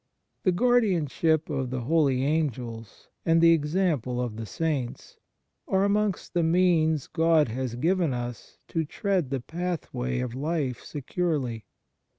The guardianship of the holy Angels, and the example of the Saints, are amongst the means God has given us to tread the pathway of life securely.